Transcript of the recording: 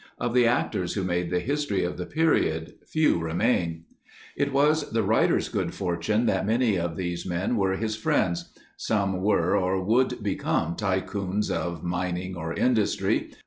Of the actors who made the history of the period, few remain. It was the writer's good fortune that many of these men were his friends. Some were or would become tycoons of mining or industry.